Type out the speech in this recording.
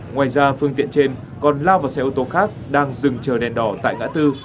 ngoài ra phương tiện trên còn lao vào xe ô tô khác đang dừng chờ đèn đỏ tại ngã tư